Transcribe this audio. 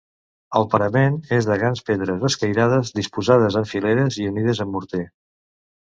El parament és de grans pedres escairades, disposades en fileres i unides amb morter.